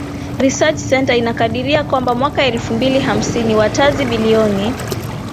Research Center inakadiria kwamba mwaka elfu mbili hamsini watazi bilioni